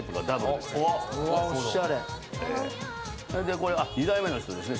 でこれは２代目の人ですね。